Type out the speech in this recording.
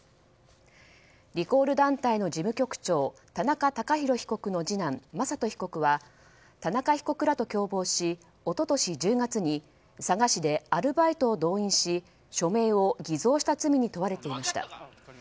リコール団体の事務局長田中孝博被告の次男・雅人被告は田中被告らと共謀し一昨年１０月に佐賀市でアルバイトを動員し署名を偽造した罪に問われていました。